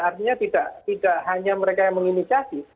artinya tidak hanya mereka yang menginisiasi